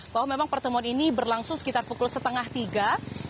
bahwa memang pertemuan ini berlangsung sekitar pukul setengah tiga